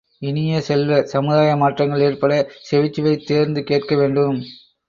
இனிய செல்வ, சமுதாய மாற்றங்கள் ஏற்படச் செவிச்சுவை தேர்ந்து கேட்க வேண்டும்.